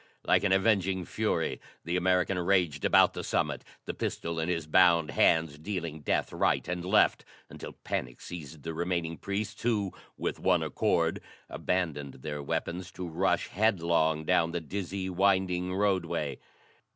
Like an avenging fury, the American raged about the summit, the pistol in his bound bands dealing death right and left until panic seized the remaining priests, who, with one accord, abandoned their weapons to rush headlong down the dizzy, winding roadway.